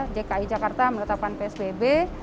dki jakarta menetapkan psbb